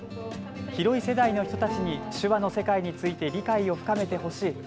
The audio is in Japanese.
広い世代の人たちに手話の世界について理解を深めてほしい。